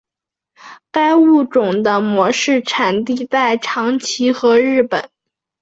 该物种的模式产地在长崎和日本。